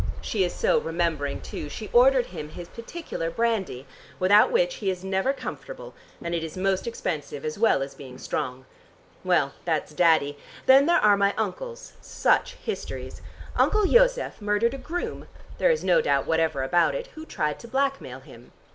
She is so remembering, too: she ordered him his particular brandy, without which he is never comfortable, and it is most expensive, as well as being strong. Well, that's Daddy: then there are my uncles: such histories. Uncle Josef murdered a groom (there is no doubt whatever about it) who tried to blackmail him.